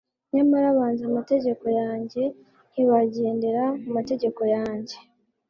Nyamara banze amategeko yanjye ntibagendera mu mategeko yanjye